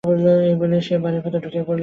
এই বলেই সে বাড়ির ভেতর ঢুকে গেল।